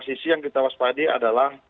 sisi yang kita waspadi adalah